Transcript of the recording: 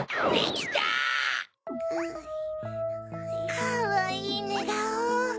かわいいねがお！